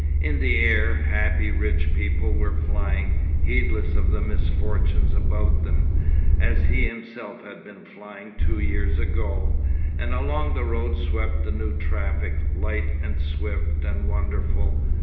In the air, happy rich people were flying, heedless of the misfortunes about them, as he himself had been flying two years ago, and along the road swept the new traffic, light and swift and wonderful.